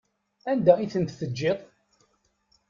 Anda i tent-teǧǧiḍ?